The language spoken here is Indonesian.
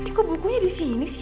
ini kok bukunya disini sih